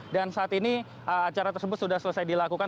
dan saat ini acara tersebut sudah selesai dilakukan